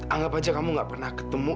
anggap aja kamu gak pernah ketemu